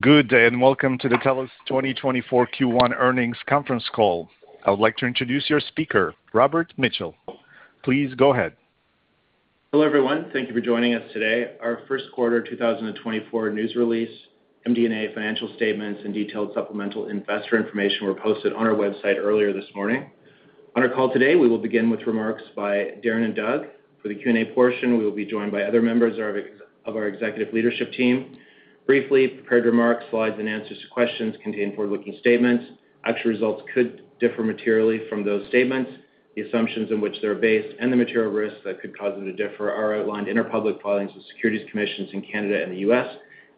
Good day and welcome to the TELUS 2024 Q1 earnings conference call. I would like to introduce your speaker, Robert Mitchell. Please go ahead. Hello everyone. Thank you for joining us today. Our first quarter 2024 news release, MD&A financial statements, and detailed supplemental investor information were posted on our website earlier this morning. On our call today, we will begin with remarks by Darren and Doug. For the Q&A portion, we will be joined by other members of our executive leadership team. Briefly, prepared remarks, slides, and answers to questions contain forward-looking statements. Actual results could differ materially from those statements. The assumptions in which they're based and the material risks that could cause them to differ are outlined in our public filings with securities commissions in Canada and the U.S.,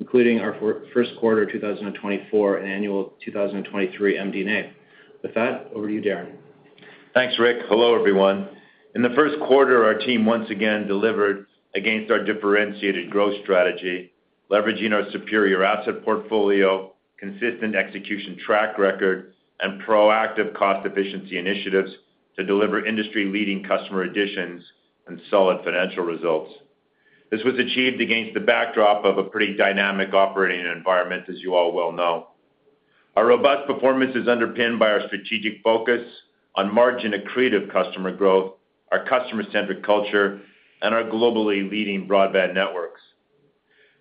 including our first quarter 2024 and annual 2023 MD&A. With that, over to you, Darren. Thanks, Rob. Hello everyone. In the first quarter, our team once again delivered against our differentiated growth strategy, leveraging our superior asset portfolio, consistent execution track record, and proactive cost efficiency initiatives to deliver industry-leading customer additions and solid financial results. This was achieved against the backdrop of a pretty dynamic operating environment, as you all well know. Our robust performance is underpinned by our strategic focus on margin-accretive customer growth, our customer-centric culture, and our globally leading broadband networks.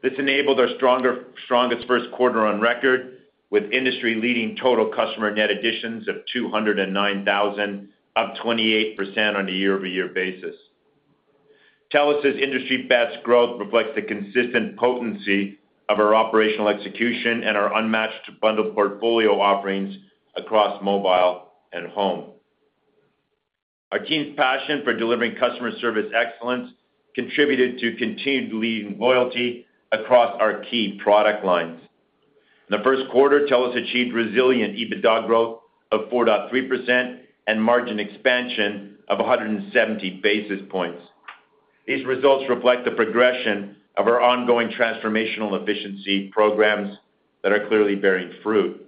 This enabled our strongest first quarter on record, with industry-leading total customer net additions of 209,000, up 28% on a year-over-year basis. TELUS's industry-best growth reflects the consistent potency of our operational execution and our unmatched bundled portfolio offerings across mobile and home. Our team's passion for delivering customer service excellence contributed to continued leading loyalty across our key product lines. In the first quarter, TELUS achieved resilient EBITDA growth of 4.3% and margin expansion of 170 basis points. These results reflect the progression of our ongoing transformational efficiency programs that are clearly bearing fruit.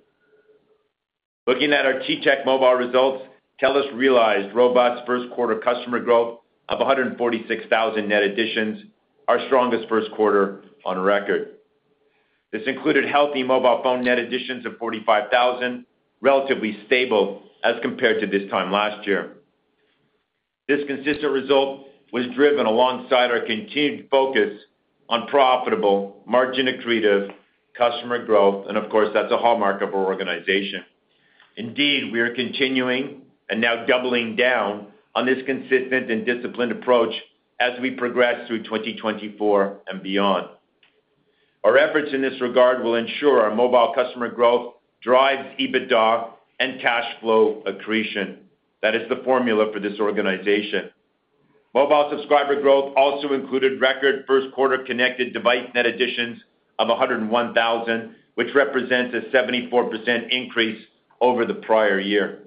Looking at our TTech mobile results, TELUS realized robust first-quarter customer growth of 146,000 net additions, our strongest first quarter on record. This included healthy mobile phone net additions of 45,000, relatively stable as compared to this time last year. This consistent result was driven alongside our continued focus on profitable, margin-accretive customer growth, and of course, that's a hallmark of our organization. Indeed, we are continuing and now doubling down on this consistent and disciplined approach as we progress through 2024 and beyond. Our efforts in this regard will ensure our mobile customer growth drives EBITDA and cash flow accretion. That is the formula for this organization. Mobile subscriber growth also included record first-quarter connected device net additions of 101,000, which represents a 74% increase over the prior year.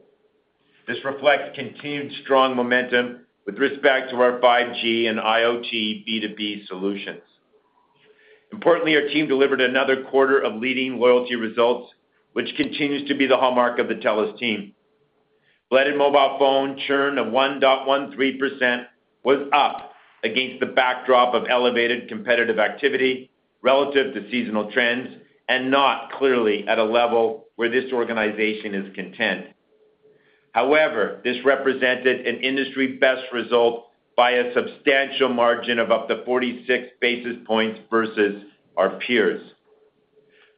This reflects continued strong momentum with respect to our 5G and IoT B2B solutions. Importantly, our team delivered another quarter of leading loyalty results, which continues to be the hallmark of the TELUS team. Blended mobile phone churn of 1.13% was up against the backdrop of elevated competitive activity relative to seasonal trends and not clearly at a level where this organization is content. However, this represented an industry-best result by a substantial margin of up to 46 basis points versus our peers.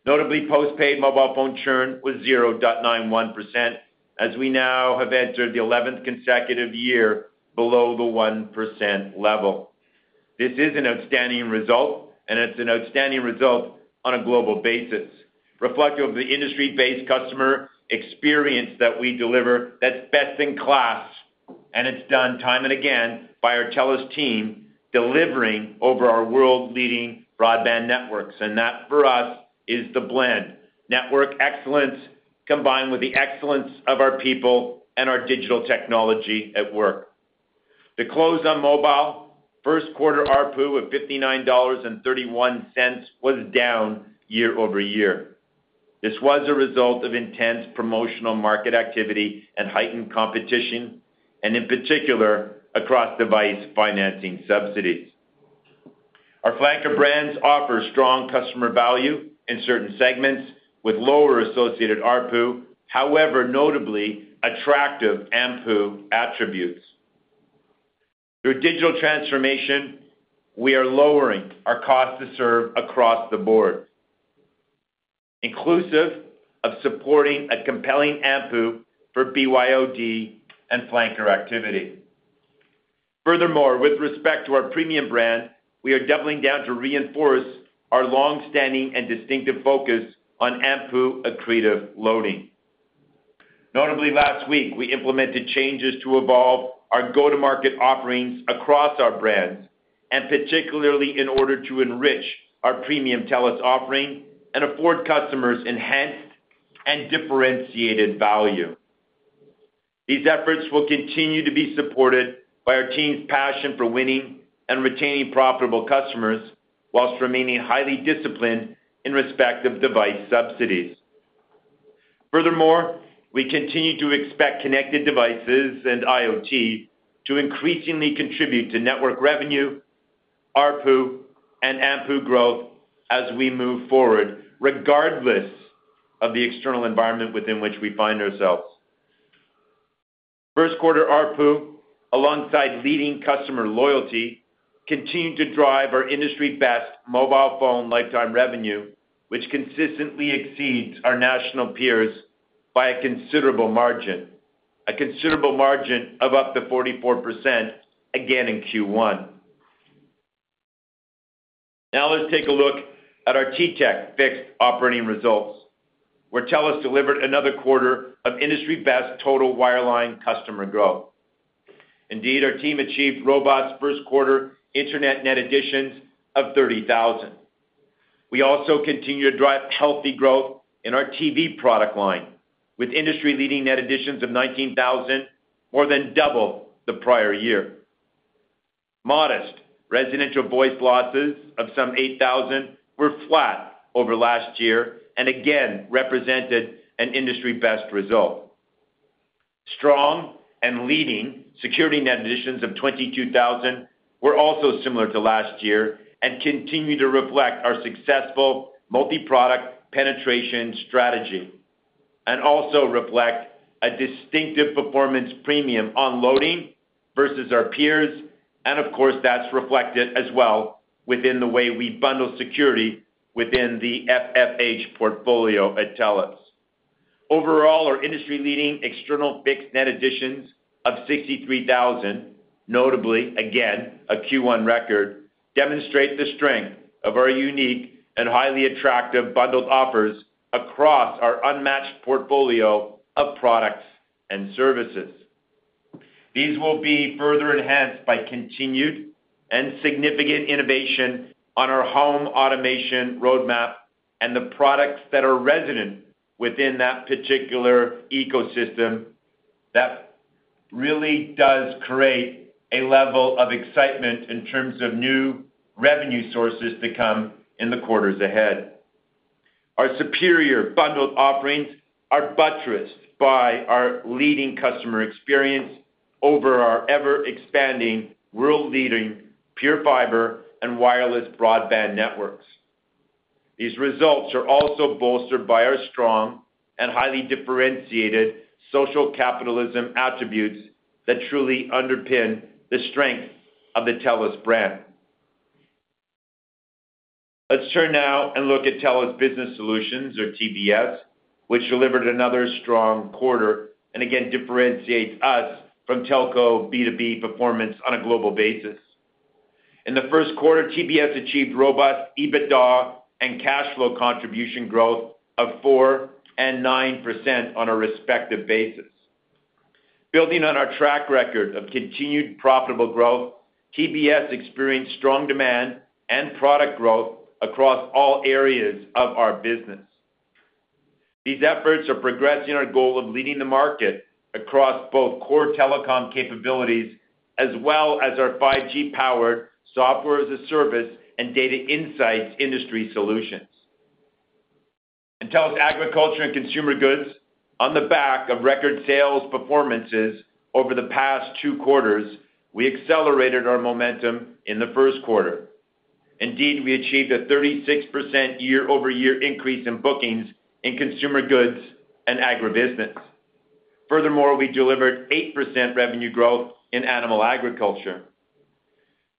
Notably, postpaid mobile phone churn was 0.91% as we now have entered the 11th consecutive year below the 1% level. This is an outstanding result, and it's an outstanding result on a global basis, reflective of the industry-based customer experience that we deliver that's best in class, and it's done time and again by our TELUS team delivering over our world-leading broadband networks. That, for us, is the blend: network excellence combined with the excellence of our people and our digital technology at work. To close on mobile, first quarter ARPU of 59.31 was down year-over-year. This was a result of intense promotional market activity and heightened competition, and in particular across device financing subsidies. Our flanker brands offer strong customer value in certain segments with lower associated ARPU, however notably attractive AMPU attributes. Through digital transformation, we are lowering our cost to serve across the board, inclusive of supporting a compelling AMPU for BYOD and flanker activity. Furthermore, with respect to our premium brand, we are doubling down to reinforce our longstanding and distinctive focus on AMPU accretive loading. Notably, last week, we implemented changes to evolve our go-to-market offerings across our brands, and particularly in order to enrich our premium TELUS offering and afford customers enhanced and differentiated value. These efforts will continue to be supported by our team's passion for winning and retaining profitable customers whilst remaining highly disciplined in respect of device subsidies. Furthermore, we continue to expect connected devices and IoT to increasingly contribute to network revenue, ARPU, and AMPU growth as we move forward, regardless of the external environment within which we find ourselves. First quarter ARPU, alongside leading customer loyalty, continued to drive our industry-best mobile phone lifetime revenue, which consistently exceeds our national peers by a considerable margin, a considerable margin of up to 44% again in Q1. Now let's take a look at our TTech fixed operating results, where TELUS delivered another quarter of industry-best total wireline customer growth. Indeed, our team achieved robust first quarter internet net additions of 30,000. We also continue to drive healthy growth in our TV product line, with industry-leading net additions of 19,000, more than double the prior year. Modest residential voice losses of some 8,000 were flat over last year and again represented an industry-best result. Strong and leading security net additions of 22,000 were also similar to last year and continue to reflect our successful multi-product penetration strategy and also reflect a distinctive performance premium on loading versus our peers, and of course, that's reflected as well within the way we bundle security within the FFH portfolio at TELUS. Overall, our industry-leading external fixed net additions of 63,000, notably again a Q1 record, demonstrate the strength of our unique and highly attractive bundled offers across our unmatched portfolio of products and services. These will be further enhanced by continued and significant innovation on our home automation roadmap and the products that are resident within that particular ecosystem. That really does create a level of excitement in terms of new revenue sources to come in the quarters ahead. Our superior bundled offerings are buttressed by our leading customer experience over our ever-expanding world-leading PureFibre and wireless broadband networks. These results are also bolstered by our strong and highly differentiated Social Capitalism attributes that truly underpin the strength of the TELUS brand. Let's turn now and look at TELUS Business Solutions, or TBS, which delivered another strong quarter and again differentiates us from telco B2B performance on a global basis. In the first quarter, TBS achieved robust EBITDA and cash flow contribution growth of 4% and 9% on a respective basis. Building on our track record of continued profitable growth, TBS experienced strong demand and product growth across all areas of our business. These efforts are progressing our goal of leading the market across both core telecom capabilities as well as our 5G-powered Software as a Service and Data Insights Industry Solutions. In TELUS Agriculture and Consumer Goods, on the back of record sales performances over the past two quarters, we accelerated our momentum in the first quarter. Indeed, we achieved a 36% year-over-year increase in bookings in Consumer Goods and agribusiness. Furthermore, we delivered 8% revenue growth in animal agriculture.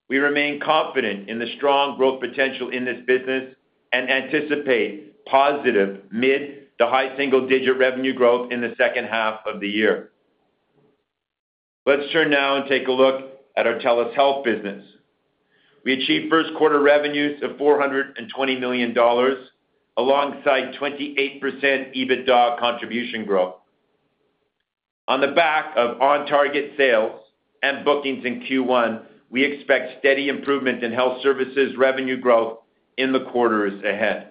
We remain confident in the strong growth potential in this business and anticipate positive mid- to high single-digit revenue growth in the second half of the year. Let's turn now and take a look at our TELUS Health business. We achieved first quarter revenues of 420 million dollars alongside 28% EBITDA contribution growth. On the back of on-target sales and bookings in Q1, we expect steady improvement in health services revenue growth in the quarters ahead.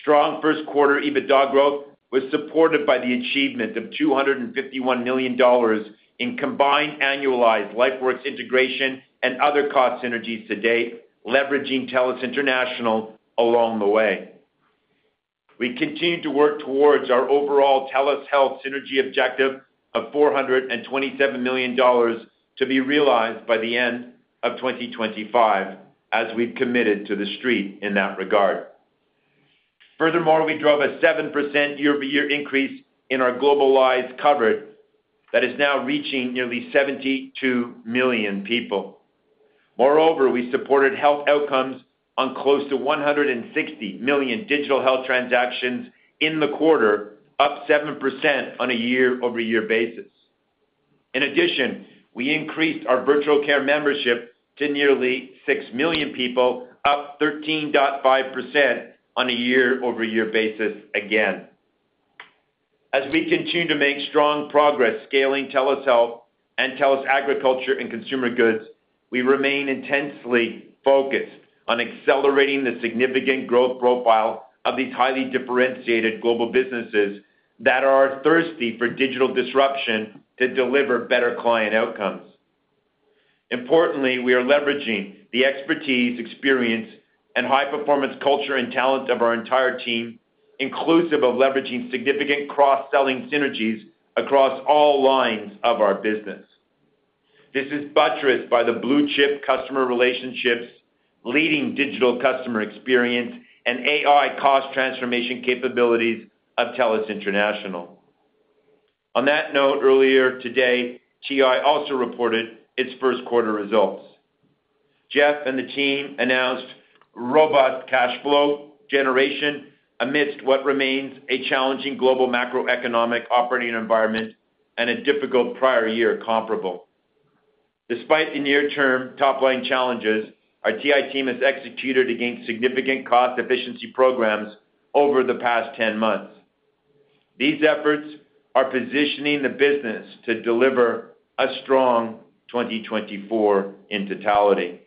Strong first quarter EBITDA growth was supported by the achievement of 251 million dollars in combined annualized LifeWorks integration and other cost synergies to date, leveraging TELUS International along the way. We continue to work towards our overall TELUS Health synergy objective of 427 million dollars to be realized by the end of 2025, as we've committed to the street in that regard. Furthermore, we drove a 7% year-over-year increase in our globalized coverage that is now reaching nearly 72 million people. Moreover, we supported health outcomes on close to 160 million digital health transactions in the quarter, up 7% on a year-over-year basis. In addition, we increased our virtual care membership to nearly six million people, up 13.5% on a year-over-year basis again. As we continue to make strong progress scaling TELUS Health and TELUS Agriculture and Consumer Goods, we remain intensely focused on accelerating the significant growth profile of these highly differentiated global businesses that are thirsty for digital disruption to deliver better client outcomes. Importantly, we are leveraging the expertise, experience, and high-performance culture and talent of our entire team, inclusive of leveraging significant cross-selling synergies across all lines of our business. This is buttressed by the blue-chip customer relationships, leading digital customer experience, and AI cost transformation capabilities of TELUS International. On that note, earlier today, TI also reported its first quarter results. Jeff and the team announced robust cash flow generation amidst what remains a challenging global macroeconomic operating environment and a difficult prior year comparable. Despite the near-term top-line challenges, our TI team has executed against significant cost efficiency programs over the past 10 months. These efforts are positioning the business to deliver a strong 2024 in totality.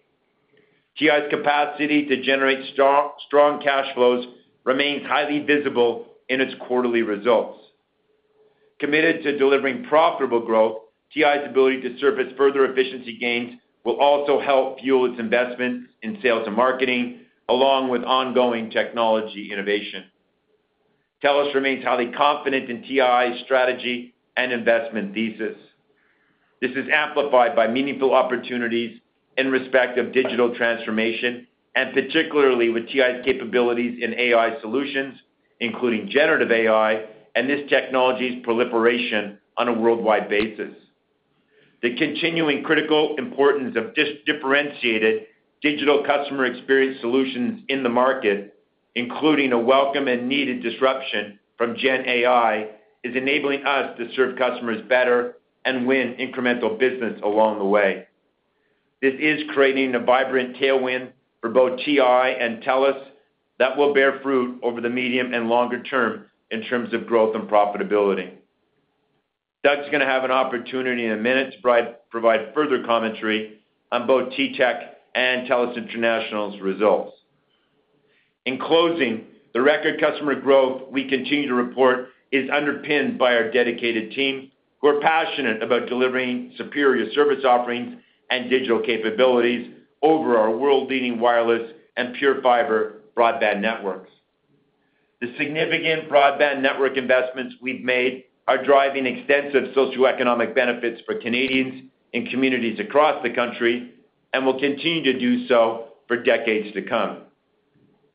TI's capacity to generate strong cash flows remains highly visible in its quarterly results. Committed to delivering profitable growth, TI's ability to surface further efficiency gains will also help fuel its investments in sales and marketing, along with ongoing technology innovation. TELUS remains highly confident in TI's strategy and investment thesis. This is amplified by meaningful opportunities in respect of digital transformation, and particularly with TI's capabilities in AI solutions, including generative AI and this technology's proliferation on a worldwide basis. The continuing critical importance of differentiated digital customer experience solutions in the market, including a welcome and needed disruption from Gen AI, is enabling us to serve customers better and win incremental business along the way. This is creating a vibrant tailwind for both TI and TELUS that will bear fruit over the medium and longer term in terms of growth and profitability. Doug's going to have an opportunity in a minute to provide further commentary on both TTech and TELUS International's results. In closing, the record customer growth we continue to report is underpinned by our dedicated team, who are passionate about delivering superior service offerings and digital capabilities over our world-leading wireless and PureFibre broadband networks. The significant broadband network investments we've made are driving extensive socioeconomic benefits for Canadians and communities across the country and will continue to do so for decades to come.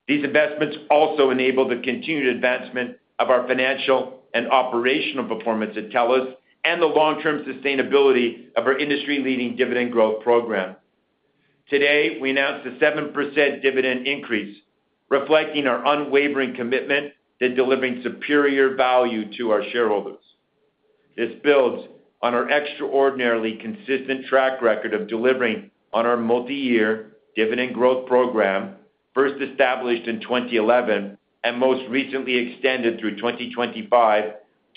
These investments also enable the continued advancement of our financial and operational performance at TELUS and the long-term sustainability of our industry-leading dividend growth program. Today, we announced a 7% dividend increase, reflecting our unwavering commitment to delivering superior value to our shareholders. This builds on our extraordinarily consistent track record of delivering on our multi-year dividend growth program, first established in 2011 and most recently extended through 2025,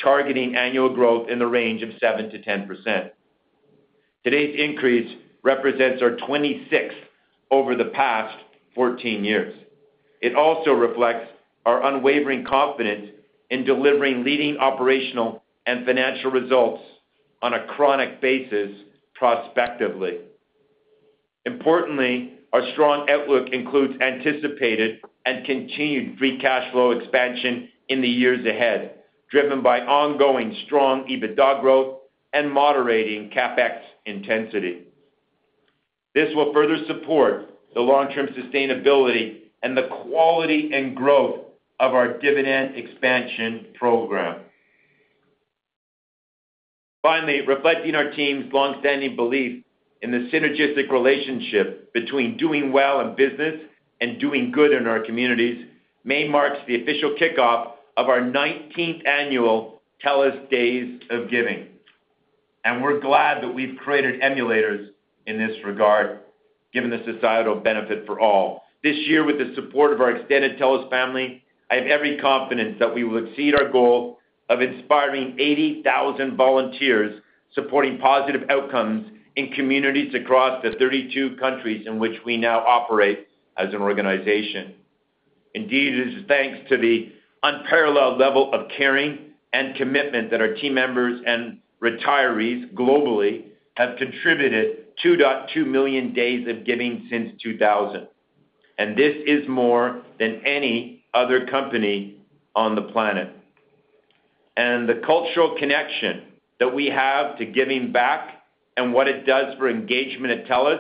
targeting annual growth in the range of 7%-10%. Today's increase represents our 26th over the past 14 years. It also reflects our unwavering confidence in delivering leading operational and financial results on a chronic basis prospectively. Importantly, our strong outlook includes anticipated and continued free cash flow expansion in the years ahead, driven by ongoing strong EBITDA growth and moderating CapEx intensity. This will further support the long-term sustainability and the quality and growth of our dividend expansion program. Finally, reflecting our team's longstanding belief in the synergistic relationship between doing well in business and doing good in our communities, May marks the official kickoff of our 19th annual TELUS Days of Giving, and we're glad that we've created emulators in this regard, given the societal benefit for all. This year, with the support of our extended TELUS family, I have every confidence that we will exceed our goal of inspiring 80,000 volunteers supporting positive outcomes in communities across the 32 countries in which we now operate as an organization. Indeed, it is thanks to the unparalleled level of caring and commitment that our team members and retirees globally have contributed 2.2 million Days of Giving since 2000, and this is more than any other company on the planet. The cultural connection that we have to giving back and what it does for engagement at TELUS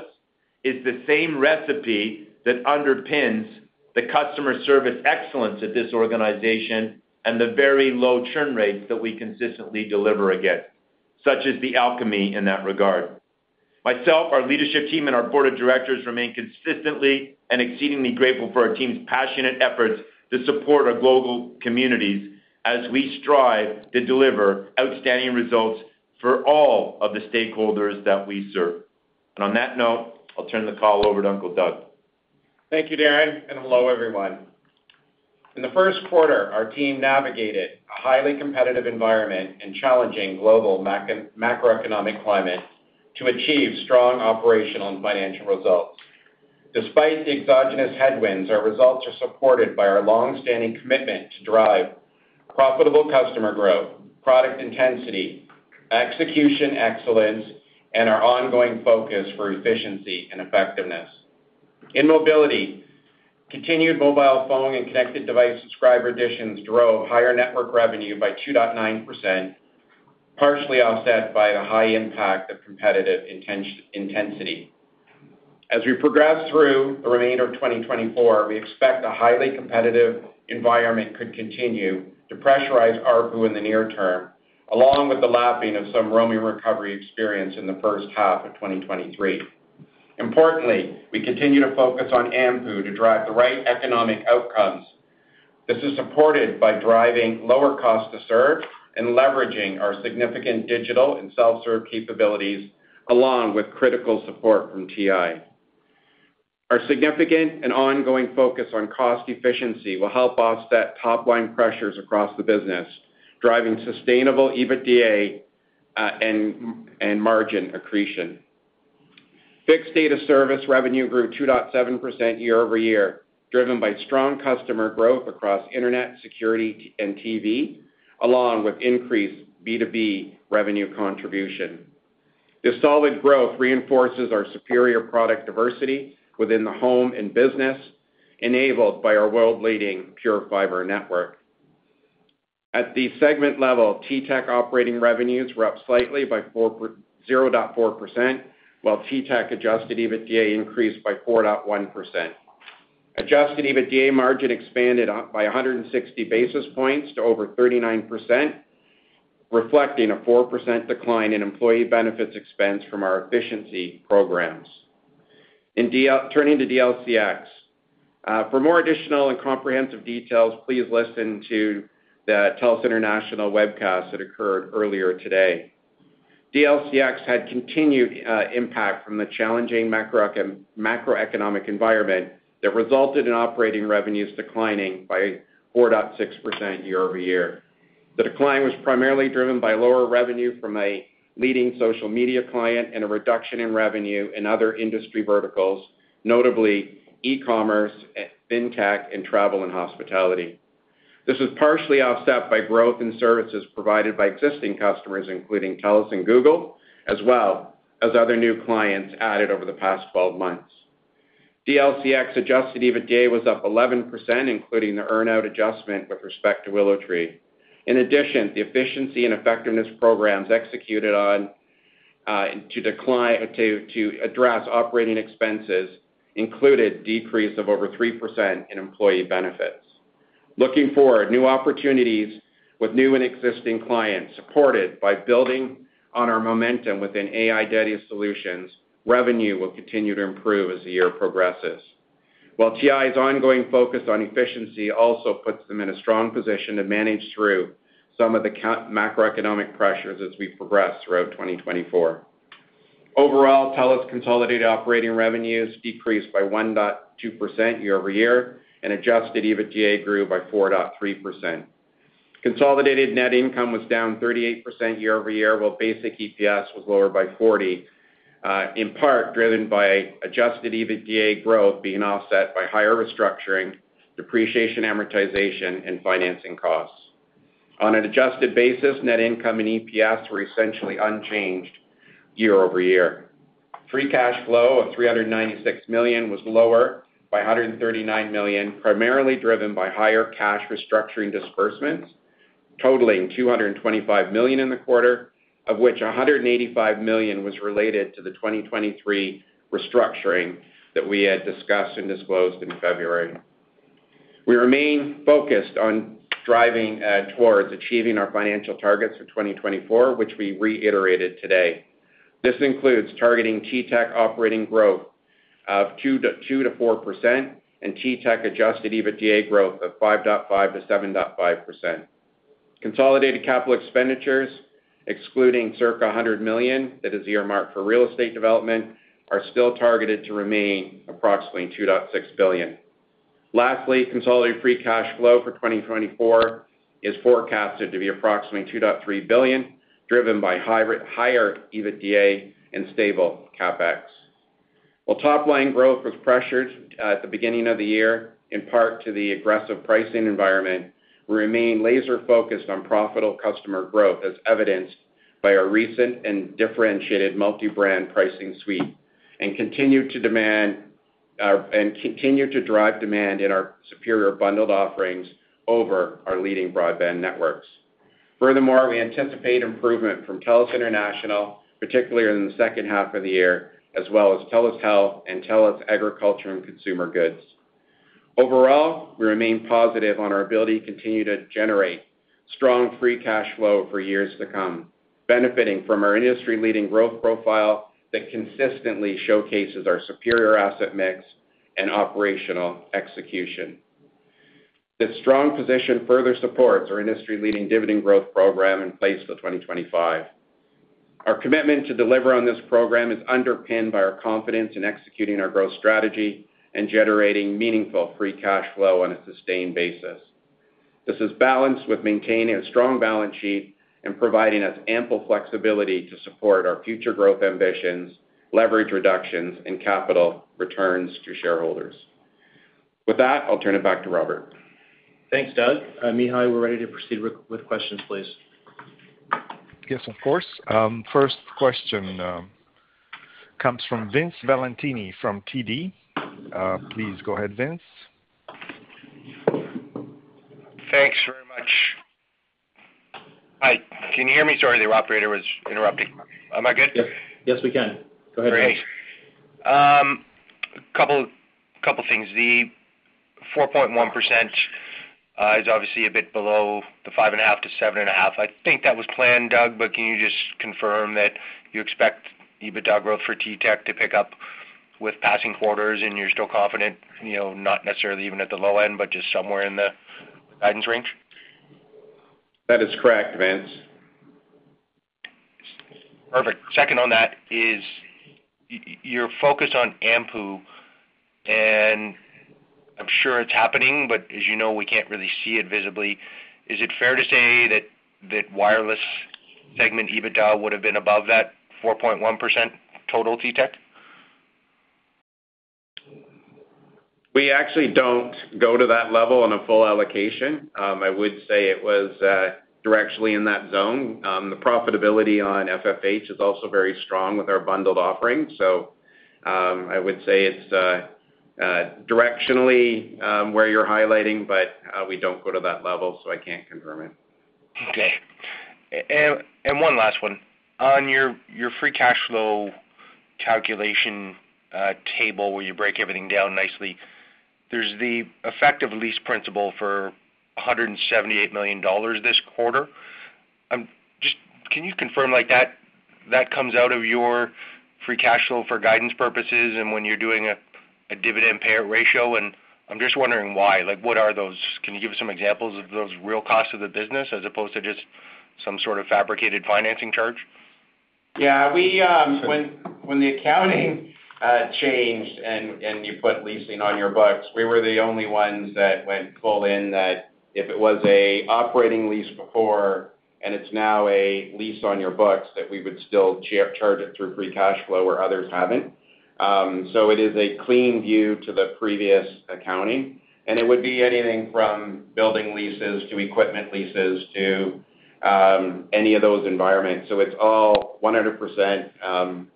is the same recipe that underpins the customer service excellence at this organization and the very low churn rates that we consistently deliver against, such as the alchemy in that regard. Myself, our leadership team, and our board of directors remain consistently and exceedingly grateful for our team's passionate efforts to support our global communities as we strive to deliver outstanding results for all of the stakeholders that we serve. On that note, I'll turn the call over to Doug. Thank you, Darren, and hello everyone. In the first quarter, our team navigated a highly competitive environment and challenging global macroeconomic climate to achieve strong operational and financial results. Despite the exogenous headwinds, our results are supported by our longstanding commitment to drive profitable customer growth, product intensity, execution excellence, and our ongoing focus for efficiency and effectiveness. In mobility, continued mobile phone and connected device subscriber additions drove higher network revenue by 2.9%, partially offset by the high impact of competitive intensity. As we progress through the remainder of 2024, we expect a highly competitive environment could continue to pressurize ARPU in the near term, along with the lapping of some roaming recovery experience in the first half of 2023. Importantly, we continue to focus on AMPU to drive the right economic outcomes. This is supported by driving lower cost to serve and leveraging our significant digital and self-serve capabilities, along with critical support from TI. Our significant and ongoing focus on cost efficiency will help offset top-line pressures across the business, driving sustainable EBITDA and margin accretion. Fixed data service revenue grew 2.7% year-over-year, driven by strong customer growth across internet, Security and TV, along with increased B2B revenue contribution. This solid growth reinforces our superior product diversity within the home and business, enabled by our world-leading PureFibre network. At the segment level, TTech operating revenues were up slightly by 0.4%, while TTech adjusted EBITDA increased by 4.1%. Adjusted EBITDA margin expanded by 160 basis points to over 39%, reflecting a 4% decline in employee benefits expense from our efficiency programs. Turning to DLCX, for more additional and comprehensive details, please listen to the TELUS International webcast that occurred earlier today. DLCX had continued impact from the challenging macroeconomic environment that resulted in operating revenues declining by 4.6% year-over-year. The decline was primarily driven by lower revenue from a leading social media client and a reduction in revenue in other industry verticals, notably e-commerce, fintech, and travel and hospitality. This was partially offset by growth in services provided by existing customers, including TELUS and Google, as well as other new clients added over the past 12 months. DLCX adjusted EBITDA was up 11%, including the earnout adjustment with respect to WillowTree. In addition, the efficiency and effectiveness programs executed to address operating expenses included a decrease of over 3% in employee benefits. Looking forward, new opportunities with new and existing clients, supported by building on our momentum within AI Data solutions, revenue will continue to improve as the year progresses. While TI's ongoing focus on efficiency also puts them in a strong position to manage through some of the macroeconomic pressures as we progress throughout 2024. Overall, TELUS consolidated operating revenues decreased by 1.2% year-over-year, and adjusted EBITDA grew by 4.3%. Consolidated net income was down 38% year-over-year, while basic EPS was lower by 40%, in part driven by adjusted EBITDA growth being offset by higher restructuring, depreciation amortization, and financing costs. On an adjusted basis, net income and EPS were essentially unchanged year-over-year. Free cash flow of 396 million was lower by 139 million, primarily driven by higher cash restructuring disbursements, totaling 225 million in the quarter, of which 185 million was related to the 2023 restructuring that we had discussed and disclosed in February. We remain focused on driving towards achieving our financial targets for 2024, which we reiterated today. This includes targeting TTech operating growth of 2%-4% and TTech adjusted EBITDA growth of 5.5%-7.5%. Consolidated capital expenditures, excluding circa 100 million, that is the year mark for real estate development, are still targeted to remain approximately 2.6 billion. Lastly, consolidated free cash flow for 2024 is forecasted to be approximately 2.3 billion, driven by higher EBITDA and stable CapEx. While top-line growth was pressured at the beginning of the year, in part to the aggressive pricing environment, we remain laser-focused on profitable customer growth, as evidenced by our recent and differentiated multi-brand pricing suite, and continue to drive demand in our superior bundled offerings over our leading broadband networks. Furthermore, we anticipate improvement from TELUS International, particularly in the second half of the year, as well as TELUS Health and TELUS Agriculture and Consumer Goods. Overall, we remain positive on our ability to continue to generate strong free cash flow for years to come, benefiting from our industry-leading growth profile that consistently showcases our superior asset mix and operational execution. This strong position further supports our industry-leading dividend growth program in place for 2025. Our commitment to deliver on this program is underpinned by our confidence in executing our growth strategy and generating meaningful free cash flow on a sustained basis. This is balanced with maintaining a strong balance sheet and providing us ample flexibility to support our future growth ambitions, leverage reductions, and capital returns to shareholders. With that, I'll turn it back to Robert. Thanks, Doug. Mihai, we're ready to proceed with questions, please. Yes, of course. First question comes from Vince Valentini from TD. Please go ahead, Vince. Thanks very much. Hi. Can you hear me? Sorry, the operator was interrupting. Am I good? Yes, we can. Go ahead, Vince. Great. A couple of things. The 4.1% is obviously a bit below the 5.5%-7.5%. I think that was planned, Doug, but can you just confirm that you expect EBITDA growth for TTech to pick up with passing quarters, and you're still confident not necessarily even at the low end, but just somewhere in the guidance range? That is correct, Vince. Perfect. Second on that is your focus on AMPU, and I'm sure it's happening, but as you know, we can't really see it visibly. Is it fair to say that wireless segment EBITDA would have been above that 4.1% total TTech? We actually don't go to that level in a full allocation. I would say it was directionally in that zone. The profitability on FFH is also very strong with our bundled offering, so I would say it's directionally where you're highlighting, but we don't go to that level, so I can't confirm it. Okay. And one last one. On your free cash flow calculation table, where you break everything down nicely, there's the effective lease principal for 178 million dollars this quarter. Can you confirm that comes out of your free cash flow for guidance purposes and when you're doing a dividend payout ratio? And I'm just wondering why. Can you give us some examples of those real costs of the business as opposed to just some sort of fabricated financing charge? Yeah. When the accounting changed and you put leasing on your books, we were the only ones that went full in that if it was an operating lease before and it's now a lease on your books, that we would still charge it through free cash flow where others haven't. It is a clean view to the previous accounting, and it would be anything from building leases to equipment leases to any of those environments. It's all 100%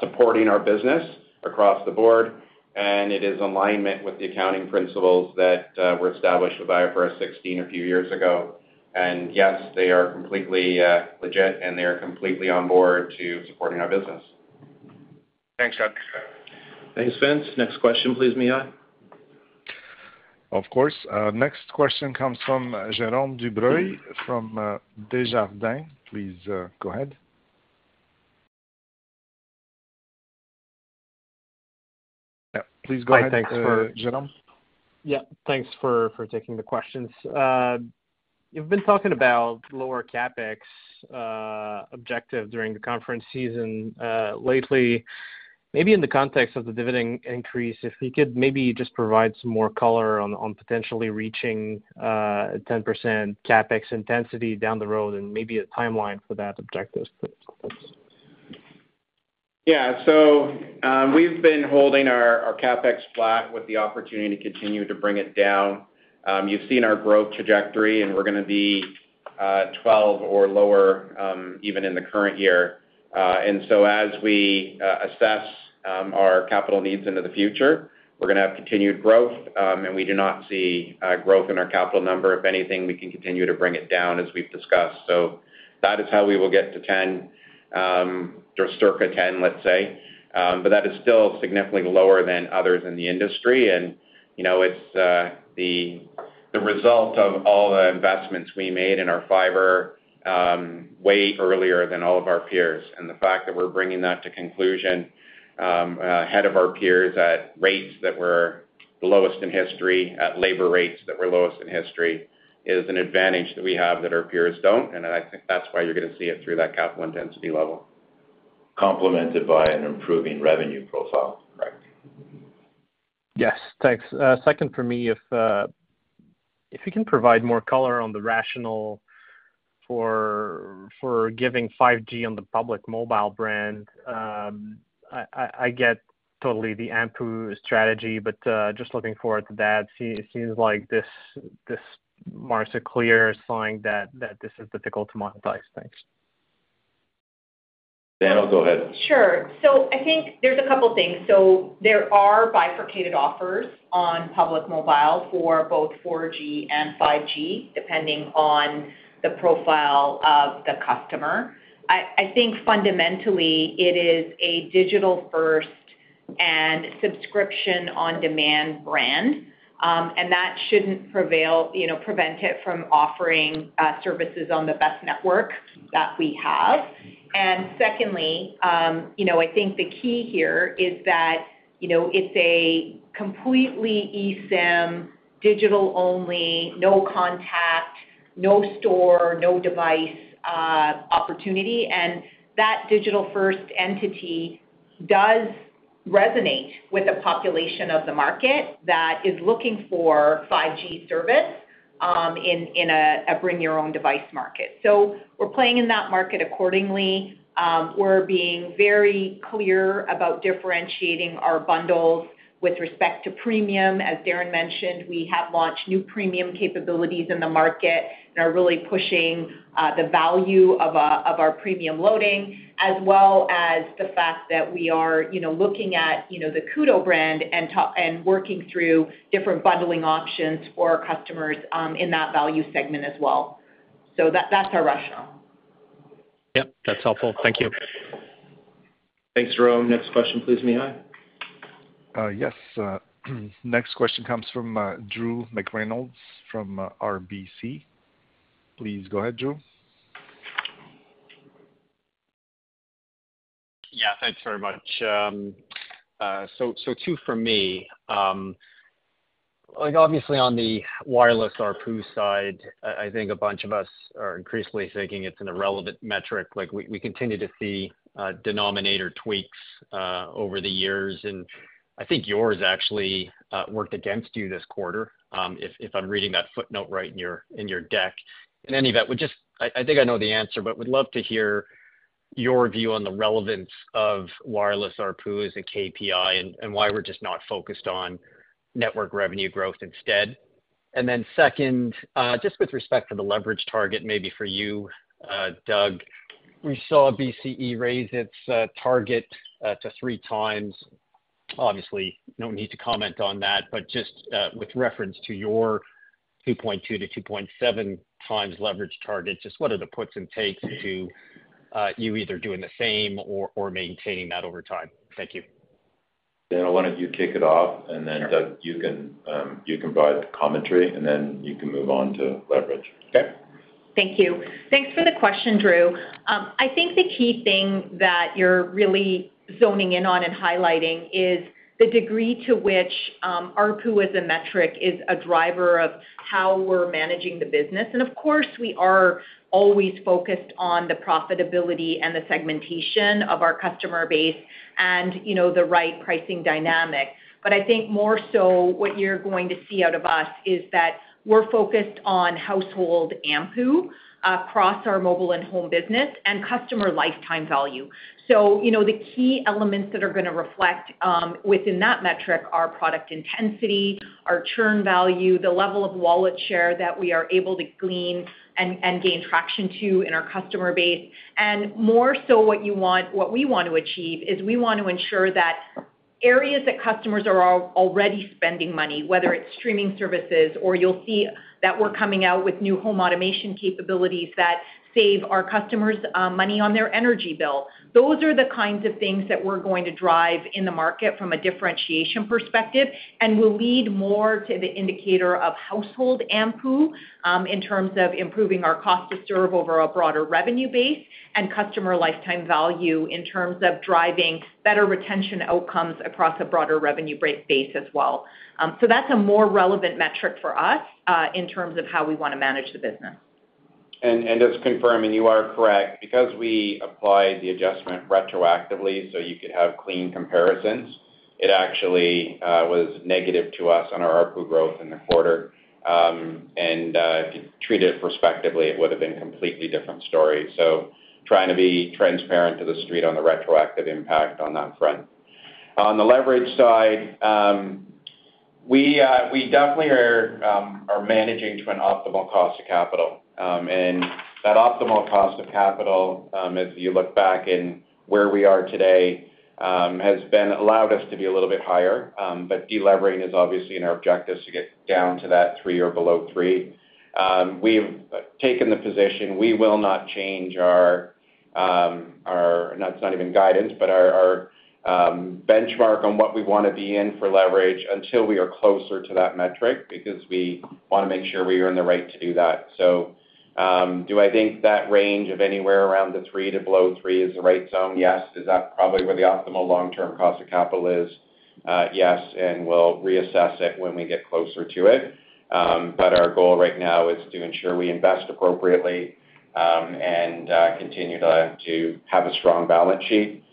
supporting our business across the board, and it is in alignment with the accounting principles that were established with IFRS 16 a few years ago. Yes, they are completely legit, and they are completely on board to supporting our business. Thanks, Doug. Thanks, Vince. Next question, please, Mihai. Of course. Next question comes from Jérôme Dubreuil from Desjardins. Please go ahead. Yeah, please go ahead, Jérôme. Hi. Thanks for taking the questions. You've been talking about lower CapEx objective during the conference season lately. Maybe in the context of the dividend increase, if we could maybe just provide some more color on potentially reaching 10% CapEx intensity down the road and maybe a timeline for that objective, please. Yeah. So we've been holding our CapEx flat with the opportunity to continue to bring it down. You've seen our growth trajectory, and we're going to be 12 or lower even in the current year. And so as we assess our capital needs into the future, we're going to have continued growth, and we do not see growth in our capital number. If anything, we can continue to bring it down as we've discussed. So that is how we will get to 10 or circa 10, let's say. But that is still significantly lower than others in the industry, and it's the result of all the investments we made in our fiber way earlier than all of our peers. And the fact that we're bringing that to conclusion ahead of our peers at rates that were the lowest in history, at labor rates that were lowest in history, is an advantage that we have that our peers don't. And I think that's why you're going to see it through that capital intensity level. Complemented by an improving revenue profile, correct? Yes. Thanks. Second for me, if you can provide more color on the rationale for giving 5G on the Public Mobile brand. I get totally the AMPU strategy, but just looking forward to that, it seems like this marks a clear sign that this is difficult to monetize. Thanks. Zainul, go ahead. Sure. So I think there's a couple of things. So there are bifurcated offers on Public Mobile for both 4G and 5G, depending on the profile of the customer. I think fundamentally, it is a digital-first and subscription-on-demand brand, and that shouldn't prevent it from offering services on the best network that we have. And secondly, I think the key here is that it's a completely eSIM, digital-only, no contact, no store, no device opportunity. And that digital-first entity does resonate with a population of the market that is looking for 5G service in a bring-your-own-device market. So we're playing in that market accordingly. We're being very clear about differentiating our bundles with respect to premium. As Darren mentioned, we have launched new premium capabilities in the market and are really pushing the value of our premium loading, as well as the fact that we are looking at the Koodo brand and working through different bundling options for customers in that value segment as well. So that's our rationale. Yep. That's helpful. Thank you. Thanks, Jérôme. Next question, please, Mihai. Yes. Next question comes from Drew McReynolds from RBC. Please go ahead, Drew. Yeah. Thanks very much. So two for me. Obviously, on the wireless ARPU side, I think a bunch of us are increasingly thinking it's an irrelevant metric. We continue to see denominator tweaks over the years, and I think yours actually worked against you this quarter, if I'm reading that footnote right in your deck. In any event, I think I know the answer, but would love to hear your view on the relevance of wireless ARPUs and KPI and why we're just not focused on network revenue growth instead. And then second, just with respect to the leverage target, maybe for you, Doug, we saw BCE raise its target to three times. Obviously, no need to comment on that, but just with reference to your 2.2-2.7 times leverage target, just what are the puts and takes to you either doing the same or maintaining that over time? Thank you. Zainul, why don't you kick it off, and then Doug, you can provide the commentary, and then you can move on to leverage. Okay. Thank you. Thanks for the question, Drew. I think the key thing that you're really zoning in on and highlighting is the degree to which ARPU as a metric is a driver of how we're managing the business. Of course, we are always focused on the profitability and the segmentation of our customer base and the right pricing dynamic. I think more so what you're going to see out of us is that we're focused on household AMPU across our mobile and home business and customer lifetime value. The key elements that are going to reflect within that metric are product intensity, our churn value, the level of wallet share that we are able to glean and gain traction to in our customer base. More so what we want to achieve is we want to ensure that areas that customers are already spending money, whether it's streaming services or you'll see that we're coming out with new home automation capabilities that save our customers money on their energy bill. Those are the kinds of things that we're going to drive in the market from a differentiation perspective and will lead more to the indicator of household AMPU in terms of improving our cost to serve over a broader revenue base and customer lifetime value in terms of driving better retention outcomes across a broader revenue base as well. So that's a more relevant metric for us in terms of how we want to manage the business. Just confirming, you are correct. Because we applied the adjustment retroactively so you could have clean comparisons, it actually was negative to us on our ARPU growth in the quarter. And if you treated it prospectively, it would have been a completely different story. So trying to be transparent to the street on the retroactive impact on that front. On the leverage side, we definitely are managing to an optimal cost of capital. And that optimal cost of capital, as you look back in where we are today, has allowed us to be a little bit higher, but delevering is obviously in our objectives to get down to that three or below three. We've taken the position we will not change our, it's not even guidance, but our benchmark on what we want to be in for leverage until we are closer to that metric because we want to make sure we are in the right to do that. So do I think that range of anywhere around the 3 to below 3 is the right zone? Yes. Is that probably where the optimal long-term cost of capital is? Yes. And we'll reassess it when we get closer to it. But our goal right now is to ensure we invest appropriately and continue to have a strong balance sheet.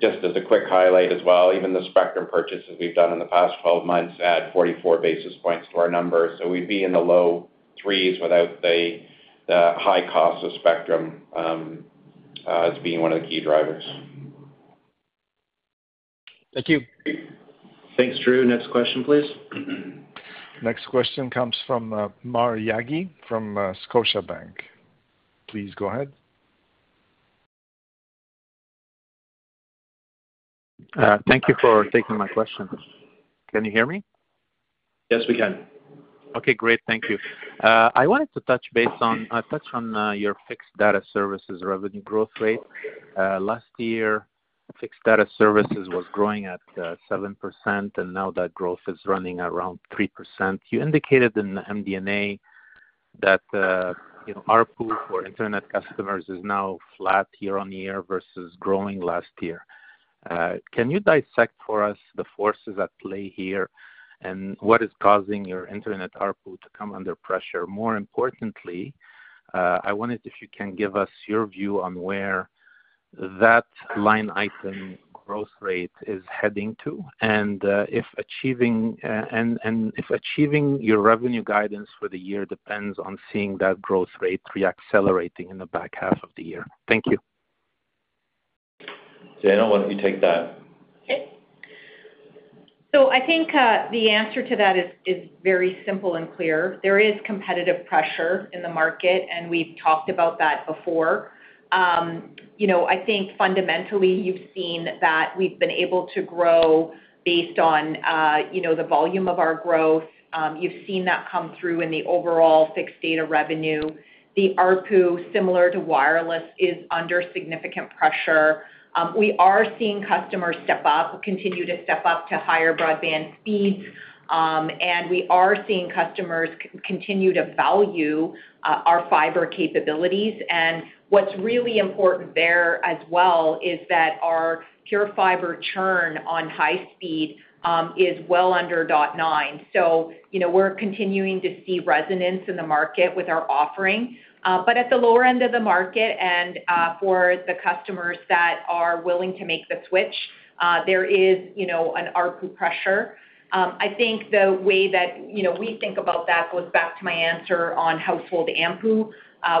Just as a quick highlight as well, even the spectrum purchases we've done in the past 12 months add 44 basis points to our number. So we'd be in the low 3s without the high cost of spectrum as being one of the key drivers. Thank you. Thanks, Drew. Next question, please. Next question comes from Maher Yaghi from Scotiabank. Please go ahead. Thank you for taking my question. Can you hear me? Yes, we can. Okay. Great. Thank you. I wanted to touch base on, I touched on your fixed data services revenue growth rate. Last year, fixed data services was growing at 7%, and now that growth is running around 3%. You indicated in the MD&A that ARPU for internet customers is now flat year-over-year versus growing last year. Can you dissect for us the forces at play here and what is causing your internet ARPU to come under pressure? More importantly, I wanted if you can give us your view on where that line item growth rate is heading to and if achieving your revenue guidance for the year depends on seeing that growth rate reaccelerating in the back half of the year. Thank you. Zainul, why don't you take that? Okay. So I think the answer to that is very simple and clear. There is competitive pressure in the market, and we've talked about that before. I think fundamentally, you've seen that we've been able to grow based on the volume of our growth. You've seen that come through in the overall fixed data revenue. The ARPU, similar to wireless, is under significant pressure. We are seeing customers step up, continue to step up to higher broadband speeds, and we are seeing customers continue to value our fiber capabilities. What's really important there as well is that our PureFibre churn on high speed is well under 0.9%. So we're continuing to see resonance in the market with our offering. But at the lower end of the market and for the customers that are willing to make the switch, there is an ARPU pressure. I think the way that we think about that goes back to my answer on household AMPU.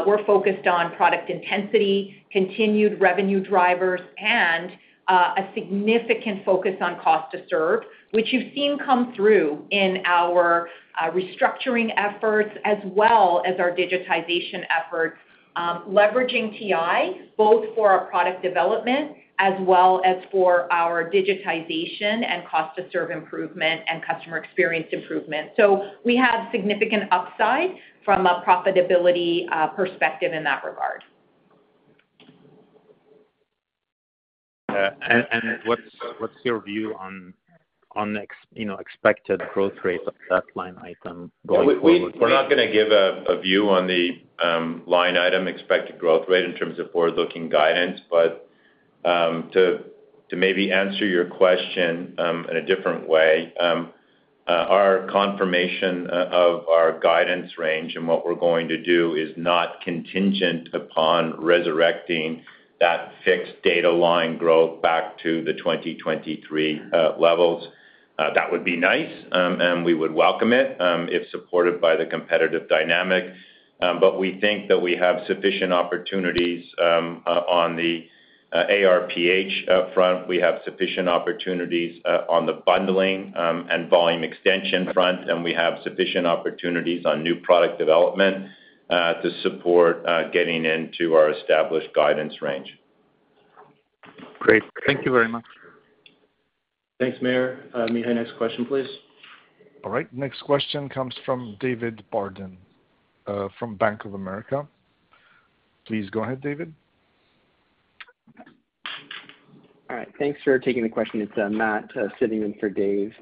We're focused on product intensity, continued revenue drivers, and a significant focus on cost to serve, which you've seen come through in our restructuring efforts as well as our digitization efforts, leveraging TI both for our product development as well as for our digitization and cost-to-serve improvement and customer experience improvement. So we have significant upside from a profitability perspective in that regard. What's your view on the expected growth rate of that line item going forward? We're not going to give a view on the line item expected growth rate in terms of forward-looking guidance. But to maybe answer your question in a different way, our confirmation of our guidance range and what we're going to do is not contingent upon resurrecting that fixed data line growth back to the 2023 levels. That would be nice, and we would welcome it if supported by the competitive dynamic. But we think that we have sufficient opportunities on the ARPH front. We have sufficient opportunities on the bundling and volume extension front, and we have sufficient opportunities on new product development to support getting into our established guidance range. Great. Thank you very much. Thanks, Maher. Mihai, next question, please. All right. Next question comes from David Barden from Bank of America. Please go ahead, David. All right. Thanks for taking the question. It's Matt sitting in for Dave.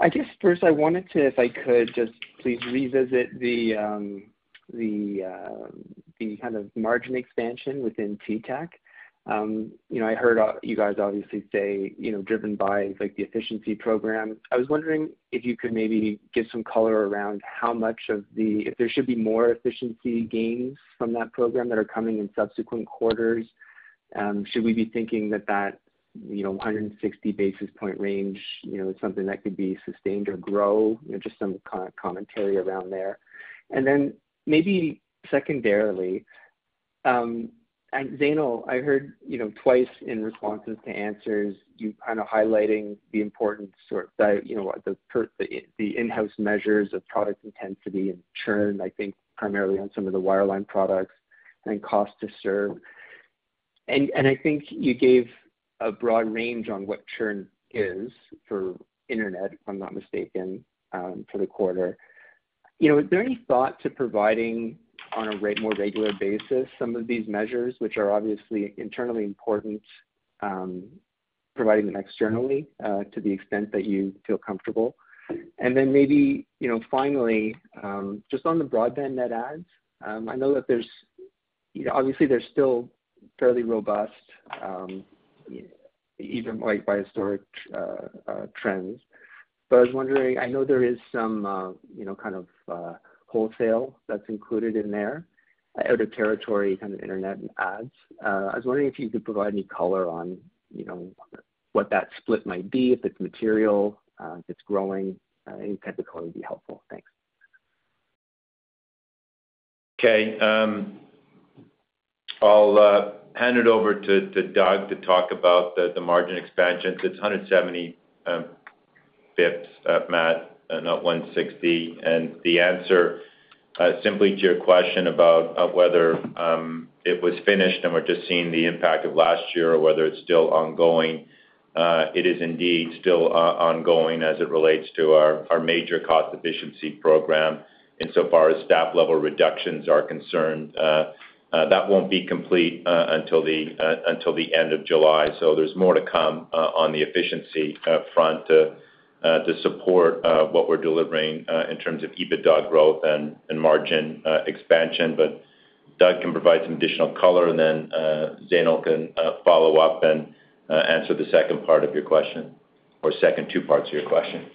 I guess first, I wanted to, if I could, just please revisit the kind of margin expansion within TTech. I heard you guys obviously say driven by the efficiency program. I was wondering if you could maybe give some color around how much of the if there should be more efficiency gains from that program that are coming in subsequent quarters, should we be thinking that that 160 basis point range is something that could be sustained or grow? Just some commentary around there. And then maybe secondarily, Zainul, I heard twice in responses to answers you kind of highlighting the importance that the in-house measures of product intensity and churn, I think, primarily on some of the wireline products and cost to serve. And I think you gave a broad range on what churn is for internet, if I'm not mistaken, for the quarter. Is there any thought to providing on a more regular basis some of these measures, which are obviously internally important, providing them externally to the extent that you feel comfortable? And then maybe finally, just on the broadband net adds, I know that there's obviously, they're still fairly robust even by historic trends. But I was wondering, I know there is some kind of wholesale that's included in there, out-of-territory kind of internet and adds. I was wondering if you could provide any color on what that split might be, if it's material, if it's growing. Any type of color would be helpful. Thanks. Okay. I'll hand it over to Doug to talk about the margin expansion. It's 170 basis points, Matt, not 160. The answer simply to your question about whether it was finished and we're just seeing the impact of last year or whether it's still ongoing, it is indeed still ongoing as it relates to our major cost efficiency program insofar as staff-level reductions are concerned. That won't be complete until the end of July. So there's more to come on the efficiency front to support what we're delivering in terms of EBITDA growth and margin expansion. But Doug can provide some additional color, and then Zainul can follow up and answer the second part of your question or second two parts of your question.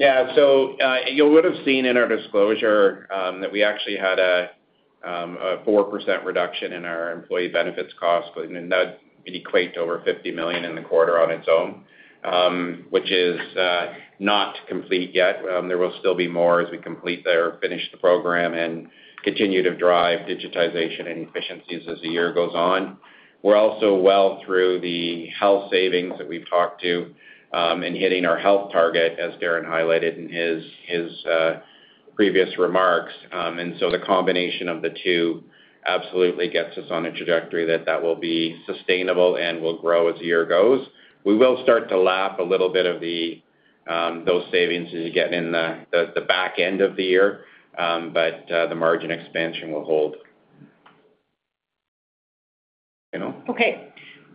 Yeah. So you would have seen in our disclosure that we actually had a 4% reduction in our employee benefits costs. That'd equate to over 50 million in the quarter on its own, which is not complete yet. There will still be more as we complete there, finish the program, and continue to drive digitization and efficiencies as the year goes on. We're also well through the health savings that we've talked to and hitting our health target, as Darren highlighted in his previous remarks. And so the combination of the two absolutely gets us on a trajectory that that will be sustainable and will grow as the year goes. We will start to lap a little bit of those savings as you get in the back end of the year, but the margin expansion will hold. Zainul? Okay.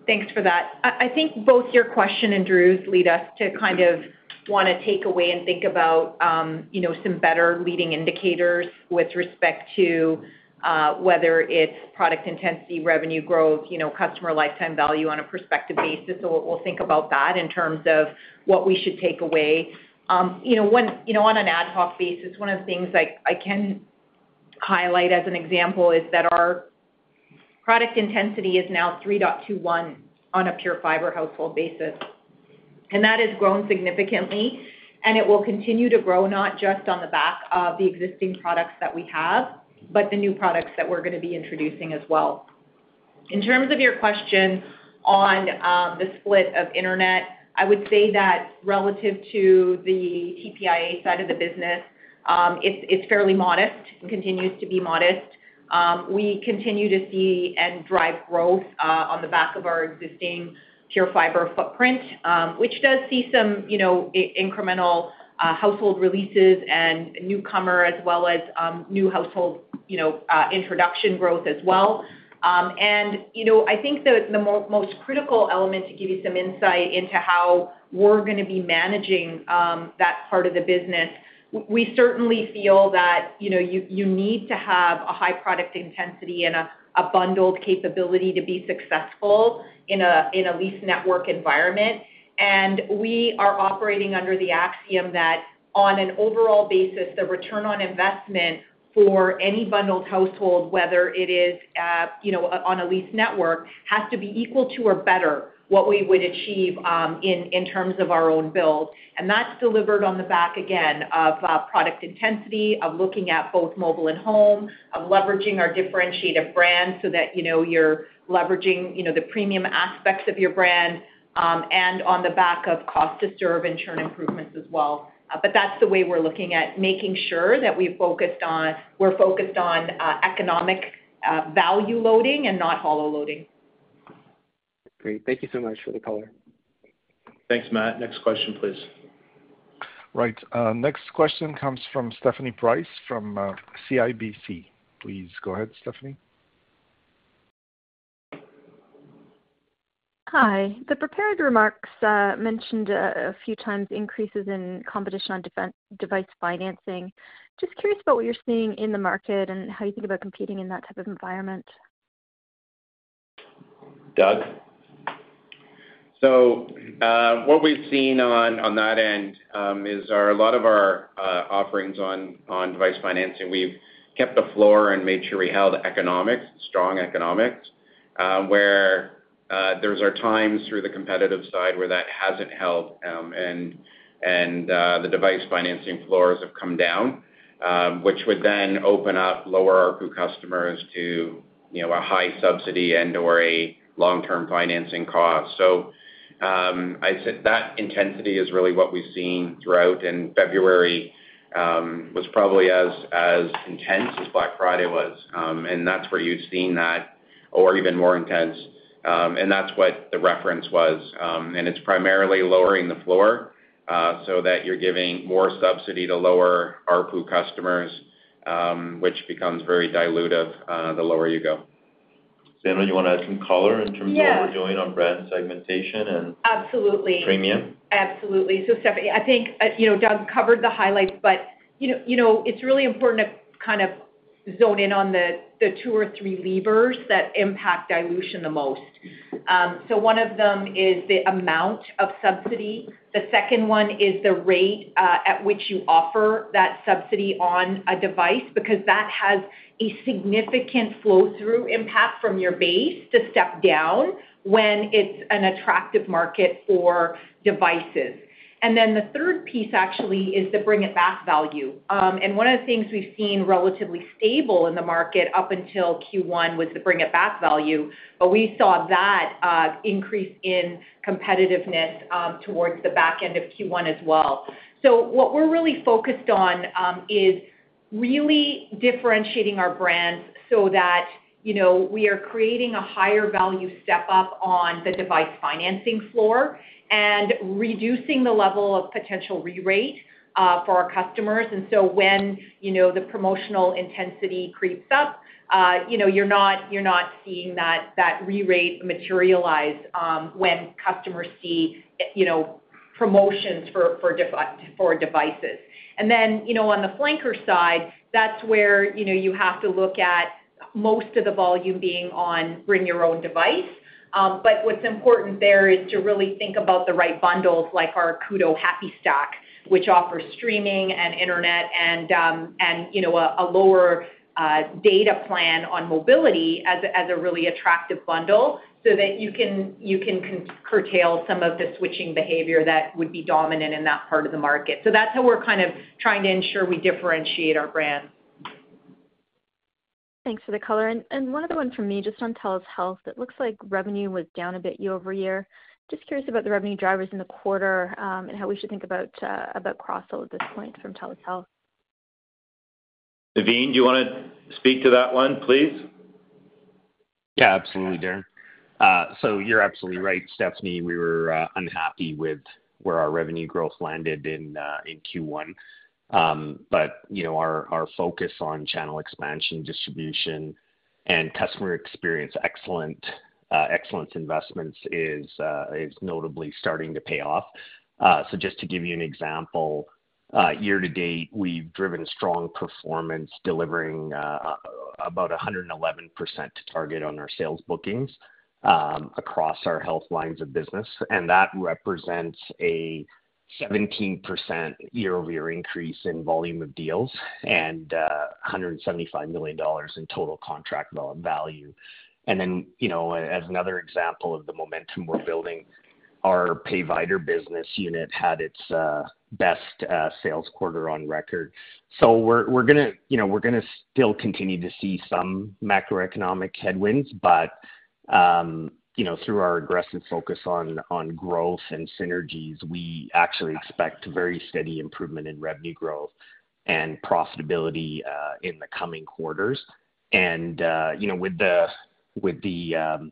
Thanks for that. I think both your question and Drew's lead us to kind of want to take away and think about some better leading indicators with respect to whether it's product intensity, revenue growth, customer lifetime value on a prospective basis. So we'll think about that in terms of what we should take away. On an ad hoc basis, one of the things I can highlight as an example is that our product intensity is now 3.21 on a PureFibre household basis. And that has grown significantly, and it will continue to grow not just on the back of the existing products that we have, but the new products that we're going to be introducing as well. In terms of your question on the split of internet, I would say that relative to the TPIA side of the business, it's fairly modest and continues to be modest. We continue to see and drive growth on the back of our existing PureFibre footprint, which does see some incremental household releases and newcomer as well as new household introduction growth as well. I think the most critical element to give you some insight into how we're going to be managing that part of the business, we certainly feel that you need to have a high product intensity and a bundled capability to be successful in a leased network environment. We are operating under the axiom that on an overall basis, the return on investment for any bundled household, whether it is on a leased network, has to be equal to or better what we would achieve in terms of our own build. That's delivered on the back, again, of product intensity, of looking at both mobile and home, of leveraging our differentiated brand so that you're leveraging the premium aspects of your brand and on the back of cost to serve and churn improvements as well. But that's the way we're looking at making sure that we're focused on economic value loading and not hollow loading. Great. Thank you so much for the color. Thanks, Matt. Next question, please. Right. Next question comes from Stephanie Price from CIBC. Please go ahead, Stephanie. Hi. The prepared remarks mentioned a few times increases in competition on device financing. Just curious about what you're seeing in the market and how you think about competing in that type of environment. Doug? So what we've seen on that end is a lot of our offerings on device financing, we've kept the floor and made sure we held economics, strong economics, where there are times through the competitive side where that hasn't held and the device financing floors have come down, which would then open up lower ARPU customers to a high subsidy and/or a long-term financing cost. So I said that intensity is really what we've seen throughout. February was probably as intense as Black Friday was. That's where you'd seen that or even more intense. That's what the reference was. It's primarily lowering the floor so that you're giving more subsidy to lower ARPU customers, which becomes very dilutive the lower you go. Zainul, you want to add some color in terms of what we're doing on brand segmentation and premium? Absolutely. Absolutely. So, Stephanie, I think Doug covered the highlights, but it's really important to kind of zone in on the two or three levers that impact dilution the most. So one of them is the amount of subsidy. The second one is the rate at which you offer that subsidy on a device because that has a significant flow-through impact from your base to step down when it's an attractive market for devices. And then the third piece, actually, is the Bring-It-Back value. And one of the things we've seen relatively stable in the market up until Q1 was the Bring-It-Back value, but we saw that increase in competitiveness towards the back end of Q1 as well. So what we're really focused on is really differentiating our brands so that we are creating a higher-value step-up on the device financing floor and reducing the level of potential re-rate for our customers. And so when the promotional intensity creeps up, you're not seeing that re-rate materialize when customers see promotions for devices. Then on the flanker side, that's where you have to look at most of the volume being on bring-your-own-device. But what's important there is to really think about the right bundles like our Koodo Happy Stack, which offers streaming and internet and a lower data plan on mobility as a really attractive bundle so that you can curtail some of the switching behavior that would be dominant in that part of the market. So that's how we're kind of trying to ensure we differentiate our brands. Thanks for the color. One other one from me just on TELUS Health. It looks like revenue was down a bit year-over-year. Just curious about the revenue drivers in the quarter and how we should think about cross-sell at this point from TELUS Health. Navin, do you want to speak to that one, please? Yeah, absolutely, Darren. So you're absolutely right, Stephanie. We were unhappy with where our revenue growth landed in Q1. But our focus on channel expansion, distribution, and customer experience excellence investments is notably starting to pay off. So just to give you an example, year to date, we've driven strong performance delivering about 111% to target on our sales bookings across our health lines of business. And that represents a 17% year-over-year increase in volume of deals and 175 million dollars in total contract value. And then as another example of the momentum we're building, our payvider business unit had its best sales quarter on record. So we're going to still continue to see some macroeconomic headwinds, but through our aggressive focus on growth and synergies, we actually expect very steady improvement in revenue growth and profitability in the coming quarters. With the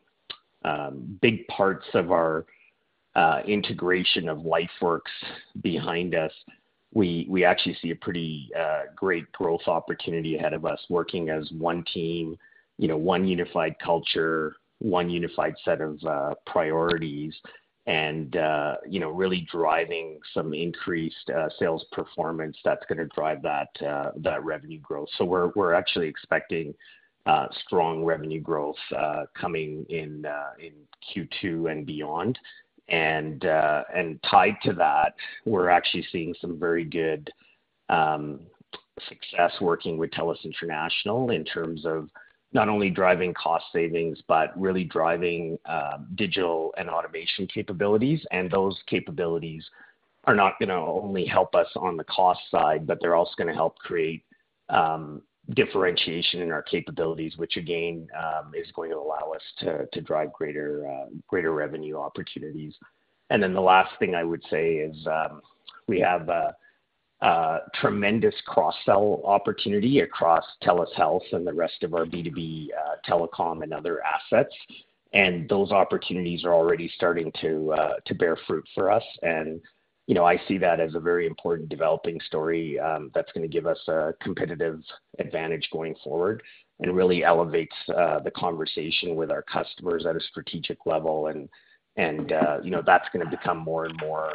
big parts of our integration of LifeWorks behind us, we actually see a pretty great growth opportunity ahead of us working as one team, one unified culture, one unified set of priorities, and really driving some increased sales performance that's going to drive that revenue growth. We're actually expecting strong revenue growth coming in Q2 and beyond. Tied to that, we're actually seeing some very good success working with TELUS International in terms of not only driving cost savings but really driving digital and automation capabilities. Those capabilities are not going to only help us on the cost side, but they're also going to help create differentiation in our capabilities, which, again, is going to allow us to drive greater revenue opportunities. Then the last thing I would say is we have a tremendous cross-sell opportunity across TELUS Health and the rest of our B2B telecom and other assets. Those opportunities are already starting to bear fruit for us. I see that as a very important developing story that's going to give us a competitive advantage going forward and really elevates the conversation with our customers at a strategic level. That's going to become more and more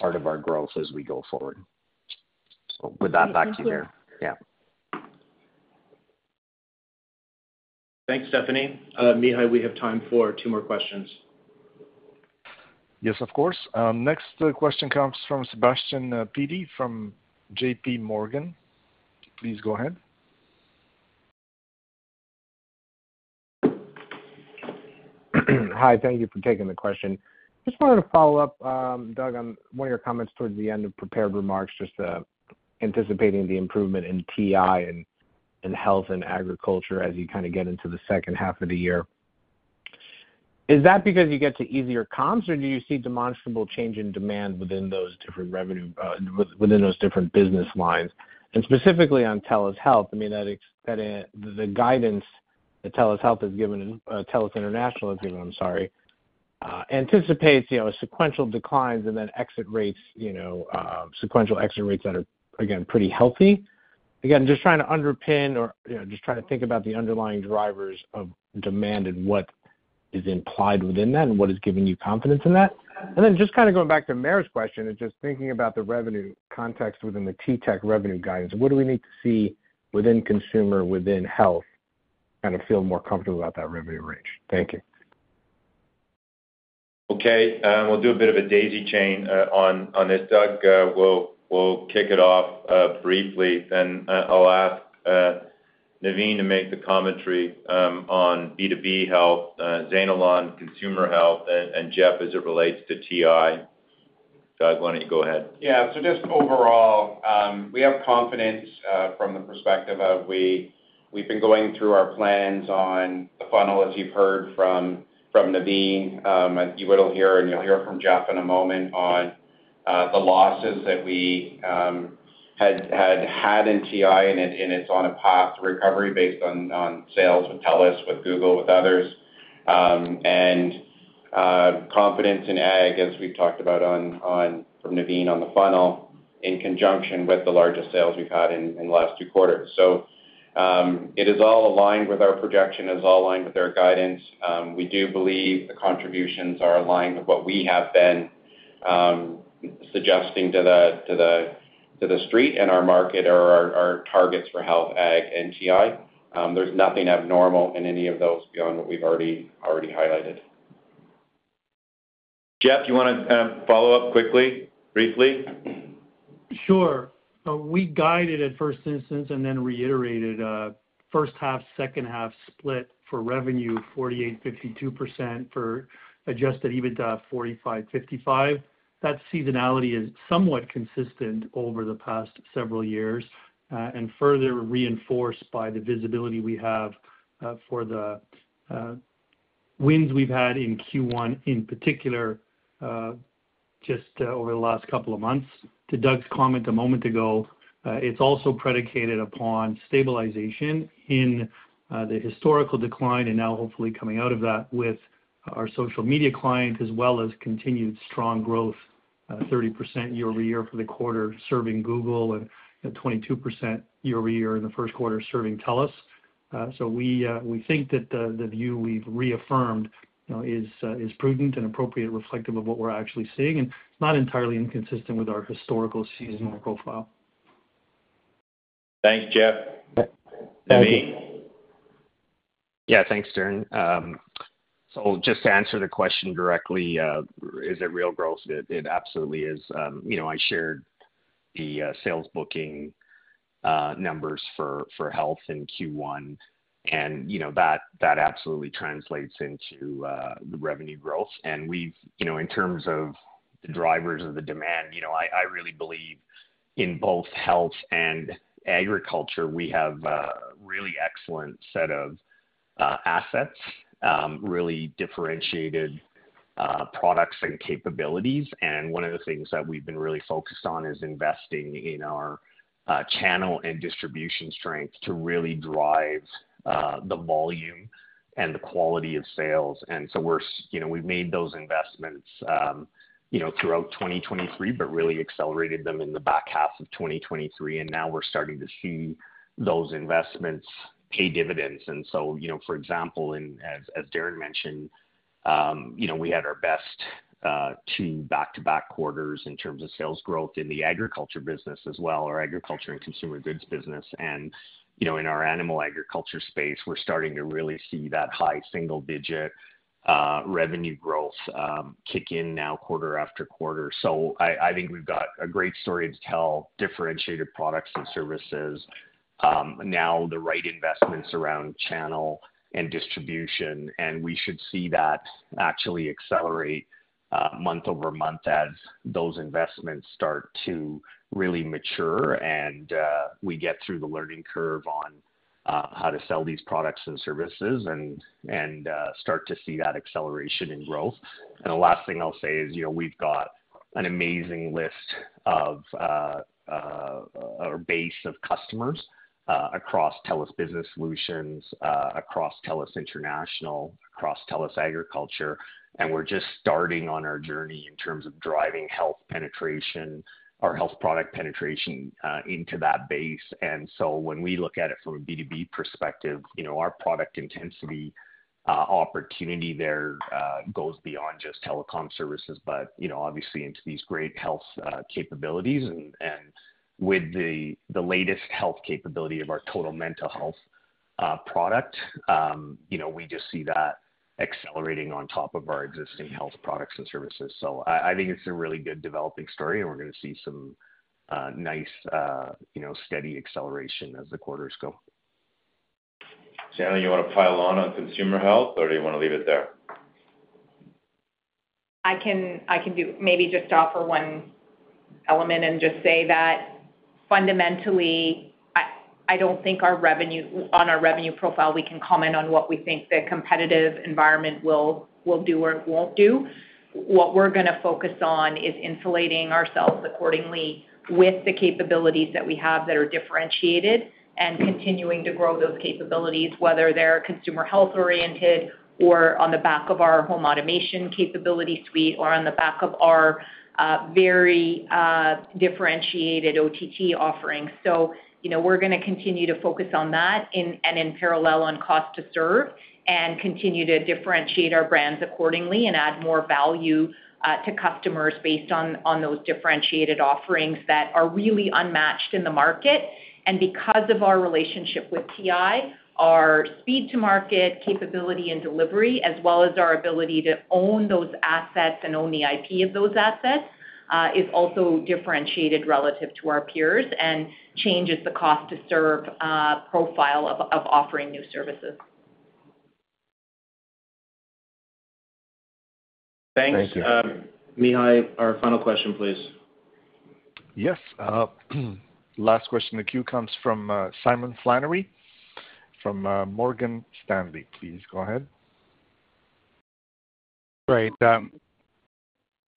part of our growth as we go forward. With that back to you, Darren. Yeah. Thanks, Stephanie. Mihai, we have time for 2 more questions. Yes, of course. Next question comes from Sebastiano Petti from JPMorgan. Please go ahead. Hi. Thank you for taking the question. Just wanted to follow up, Doug, on one of your comments towards the end of prepared remarks, just anticipating the improvement in TI and health and agriculture as you kind of get into the second half of the year. Is that because you get to easier comps, or do you see demonstrable change in demand within those different revenue within those different business lines? And specifically on TELUS Health, I mean, the guidance that TELUS Health has given TELUS International has given, I'm sorry, anticipates sequential declines and then exit rates, sequential exit rates that are, again, pretty healthy. Again, just trying to underpin or just trying to think about the underlying drivers of demand and what is implied within that and what is giving you confidence in that. And then just kind of going back to Maher's question and just thinking about the revenue context within the TTech revenue guidance, what do we need to see within consumer, within health, kind of feel more comfortable about that revenue range? Thank you. Okay. We'll do a bit of a daisy chain on this, Doug. We'll kick it off briefly. Then I'll ask Navin to make the commentary on B2B health, Zainul on Consumer Health, and Jeff as it relates to TI. Doug, why don't you go ahead? Yeah. So just overall, we have confidence from the perspective of we've been going through our plans on the funnel, as you've heard from Navin. You will hear, and you'll hear from Jeff in a moment, on the losses that we had had in TI, and it's on a path to recovery based on sales with TELUS, with Google, with others. Confidence in ag, as we've talked about from Navin on the funnel, in conjunction with the largest sales we've had in the last two quarters. So it is all aligned with our projection. It's all aligned with our guidance. We do believe the contributions are aligned with what we have been suggesting to the street and our market or our targets for health, ag, and TI. There's nothing abnormal in any of those beyond what we've already highlighted. Jeff, do you want to follow up quickly, briefly? Sure. We guided at first instance and then reiterated first-half, second-half split for revenue 48%-52% for adjusted EBITDA 45%-55%. That seasonality is somewhat consistent over the past several years and further reinforced by the visibility we have for the wins we've had in Q1 in particular just over the last couple of months. To Doug's comment a moment ago, it's also predicated upon stabilization in the historical decline and now hopefully coming out of that with our social media client as well as continued strong growth, 30% year-over-year for the quarter serving Google and 22% year-over-year in the first quarter serving TELUS. So we think that the view we've reaffirmed is prudent and appropriate, reflective of what we're actually seeing. And it's not entirely inconsistent with our historical seasonal profile. Thanks, Jeff. Navin? Yeah. Thanks, Darren. So just to answer the question directly, is it real growth? It absolutely is. I shared the sales booking numbers for health in Q1, and that absolutely translates into the revenue growth. And in terms of the drivers of the demand, I really believe, in both health and agriculture, we have a really excellent set of assets, really differentiated products and capabilities. One of the things that we've been really focused on is investing in our channel and distribution strength to really drive the volume and the quality of sales. And so we've made those investments throughout 2023 but really accelerated them in the back half of 2023. And now we're starting to see those investments pay dividends. And so, for example, as Darren mentioned, we had our best two back-to-back quarters in terms of sales growth in the agriculture business as well, our Agriculture and Consumer Goods business. And in our animal agriculture space, we're starting to really see that high single-digit revenue growth kick in now quarter after quarter. So I think we've got a great story to tell, differentiated products and services, now the right investments around channel and distribution. And we should see that actually accelerate month-over-month as those investments start to really mature and we get through the learning curve on how to sell these products and services and start to see that acceleration in growth. And the last thing I'll say is we've got an amazing list of our base of customers across TELUS Business Solutions, across TELUS International, across TELUS Agriculture. And we're just starting on our journey in terms of driving health penetration, our health product penetration into that base. And so when we look at it from a B2B perspective, our product intensity opportunity there goes beyond just telecom services but obviously into these great health capabilities. And with the latest health capability of our Total Mental Health product, we just see that accelerating on top of our existing health products and services. I think it's a really good developing story, and we're going to see some nice, steady acceleration as the quarters go. Zainul, you want to pile on on Consumer Health, or do you want to leave it there? I can maybe just offer one element and just say that fundamentally, I don't think on our revenue profile, we can comment on what we think the competitive environment will do or won't do. What we're going to focus on is insulating ourselves accordingly with the capabilities that we have that are differentiated and continuing to grow those capabilities, whether they're Consumer Health-oriented or on the back of our home automation capability suite or on the back of our very differentiated OTT offerings. So we're going to continue to focus on that and in parallel on cost to serve and continue to differentiate our brands accordingly and add more value to customers based on those differentiated offerings that are really unmatched in the market. And because of our relationship with TI, our speed to market capability and delivery, as well as our ability to own those assets and own the IP of those assets, is also differentiated relative to our peers and changes the cost-to-serve profile of offering new services. Thanks. Thank you. Mihai, our final question, please. Yes. Last question in the queue comes from Simon Flannery from Morgan Stanley. Please go ahead. Great.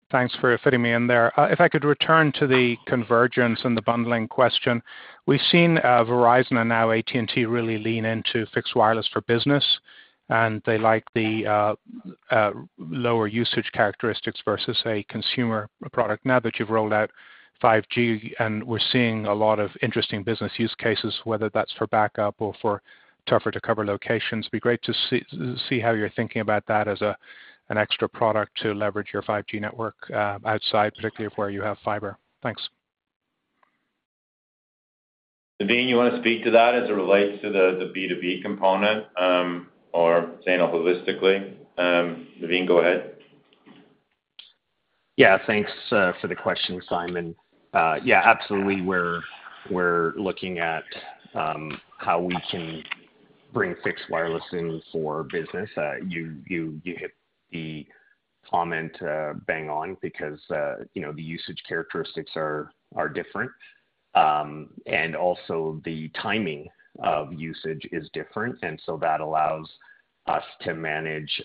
Thanks for fitting me in there. If I could return to the convergence and the bundling question, we've seen Verizon and now AT&T really lean into fixed wireless for business, and they like the lower usage characteristics versus a consumer product. Now that you've rolled out 5G and we're seeing a lot of interesting business use cases, whether that's for backup or for tougher-to-cover locations, it'd be great to see how you're thinking about that as an extra product to leverage your 5G network outside, particularly where you have fiber. Thanks. Navin, you want to speak to that as it relates to the B2B component or Zainul, holistically? Navin, go ahead. Yeah. Thanks for the question, Simon. Yeah, absolutely. We're looking at how we can bring fixed wireless in for business. You hit the comment bang on because the usage characteristics are different. And also, the timing of usage is different. And so that allows us to manage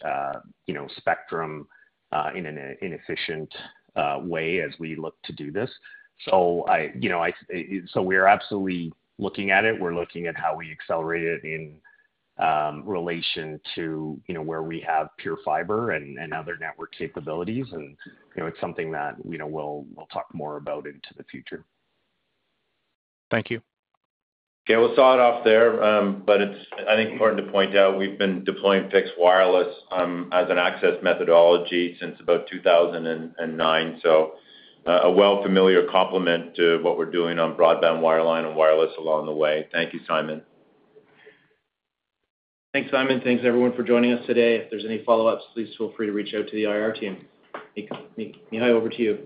spectrum in an efficient way as we look to do this. So we're absolutely looking at it. We're looking at how we accelerate it in relation to where we have PureFibre and other network capabilities. And it's something that we'll talk more about into the future. Thank you. Yeah. We'll start off there. But I think it's important to point out we've been deploying fixed wireless as an access methodology since about 2009, so a well-familiar complement to what we're doing on broadband, wireline, and wireless along the way. Thank you, Simon. Thanks, Simon. Thanks, everyone, for joining us today. If there's any follow-ups, please feel free to reach out to the IR team. Mihai, over to you.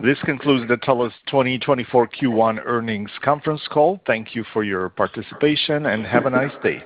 This concludes the TELUS 2024 Q1 earnings conference call. Thank you for your participation, and have a nice day.